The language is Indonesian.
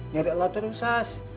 nyari elok terus sas